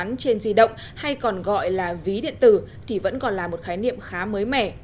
bán trên di động hay còn gọi là ví điện tử thì vẫn còn là một khái niệm khá mới mẻ